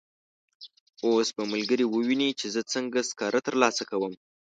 اوس به ملګري وویني چې زه څنګه سکاره ترلاسه کوم.